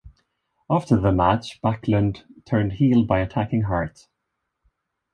After the match, Backlund turned heel by attacking Hart.